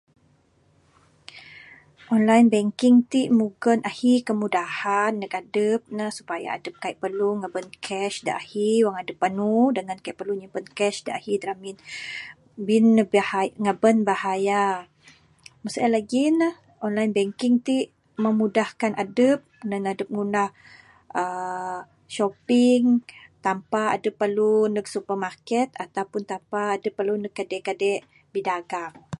Online banking ti mugon ahi kemudahan neg adep ne supaya adep kaik perlu ngaban cash da ahi wang adep panu, Wang adep ngaban cash ahi da ramin, bin ne ngaban bihai, ngaban bahaya. Meng sien lagih ne online banking ti memudahkan adep nan adep ngunah shopping tanpa adep perlu neg supermarket ato pun tapa adep neg kade kade bidagang